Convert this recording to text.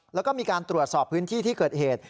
แล้วก็มีการตรวจสอบพื้นที่ที่เกิดเหตุ